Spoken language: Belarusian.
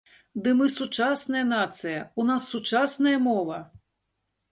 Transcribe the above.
Ды мы сучасная нацыя, у нас сучасная мова!